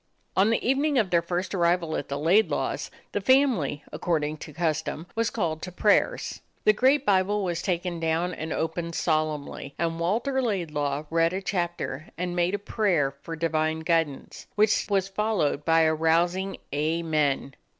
On the evening of their first arrival at the Laidlaws' the family, according to custom, was called to prayers. The great Bible was taken down and opened solemnly, and Walter Laidlaw read a chapter and made a prayer 71 DOG HEROES OF MANY LANDS for divine guidance, which was followed by a rousing "Amen!"